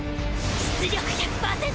出力１００％